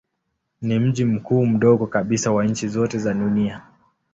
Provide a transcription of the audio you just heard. Ni mji mkuu mdogo kabisa wa nchi zote za dunia.